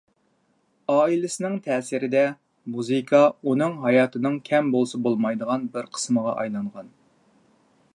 ئائىلىسىنىڭ تەسىرىدە، مۇزىكا ئۇنىڭ ھاياتىنىڭ كەم بولسا بولمايدىغان بىر قىسمىغا ئايلانغان.